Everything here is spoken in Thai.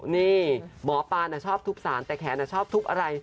นี่หมอปลาชอบทุบสารแต่แขนชอบทุบอะไร